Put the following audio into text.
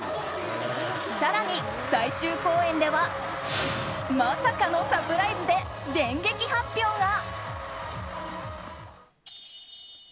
更に最終公演ではまさかのサプライズで電撃発表が。